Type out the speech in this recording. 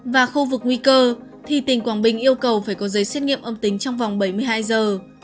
và khu vực nguy cơ thì tỉnh quảng bình yêu cầu phải có giấy xét nghiệm âm tính trong vòng bảy mươi hai giờ